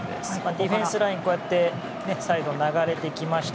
ディフェンスラインからこうやってサイドに流れてきました。